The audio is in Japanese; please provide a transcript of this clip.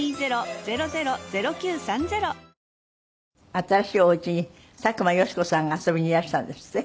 新しいお家に佐久間良子さんが遊びにいらしたんですって？